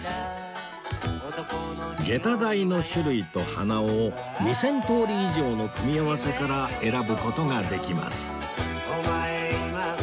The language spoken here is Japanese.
下駄台の種類と花緒を２０００通り以上の組み合わせから選ぶ事ができます